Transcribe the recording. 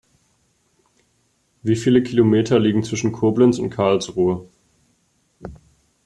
Wie viele Kilometer liegen zwischen Koblenz und Karlsruhe?